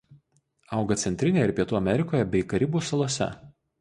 Auga Centrinėje ir Pietų Amerikoje bei Karibų salose.